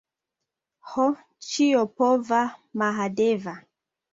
Ho, ĉiopova Mahadeva!